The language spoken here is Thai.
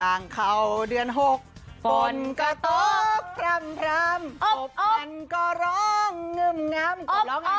ต่างเขาเดือนหกฝนก็ตกคลัมอบอบขบมันก็ร้องงึมงำ